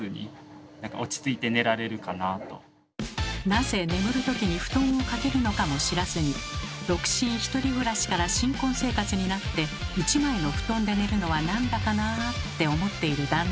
なぜ眠るときに布団をかけるのかも知らずに独身１人暮らしから新婚生活になって１枚の布団で寝るのは何だかなって思っている旦那さん。